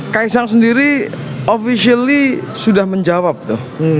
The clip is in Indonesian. kaisang sendiri officially sudah menjawab tuh